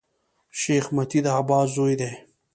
شېخ متي د عباس زوی دﺉ.